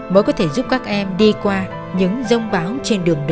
mới có thể giúp các em đi qua những dông báo trên đường đời